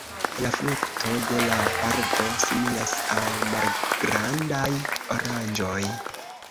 La frukto de la arbo similas al malgrandaj oranĝoj.